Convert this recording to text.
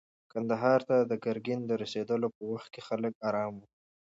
کندهار ته د ګرګین د رسېدلو په وخت کې خلک ارام وو.